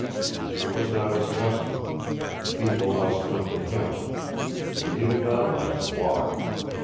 It was not his custom. People must come to him. And he did not like to walk.